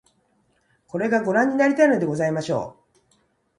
これが御覧になりたいのでございましょう